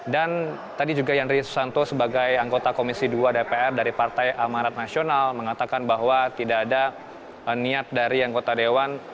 dan tadi juga yandri susanto sebagai anggota komisi dua dpr dari partai amarat nasional mengatakan bahwa tidak ada niat dari anggota dewan